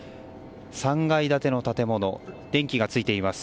３階建ての建物で電気がついています。